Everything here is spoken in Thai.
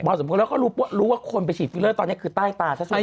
บ่อยสมมุติก็รู้ว่าคนไปฉีดฟิลเลอร์ตอนนี้คือใต้ตาสักส่วนใหญ่